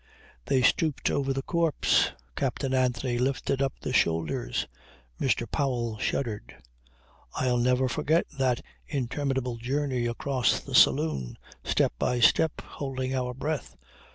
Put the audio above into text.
They stooped over the corpse. Captain Anthony lifted up the shoulders. Mr. Powell shuddered. "I'll never forget that interminable journey across the saloon, step by step, holding our breath.